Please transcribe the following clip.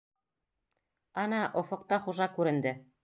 Ана, офоҡта хужа күренде.